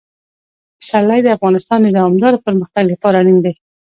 پسرلی د افغانستان د دوامداره پرمختګ لپاره اړین دي.